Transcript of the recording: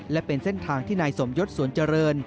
และเป็นเส้นทางที่นายสมยศสวนเจริญ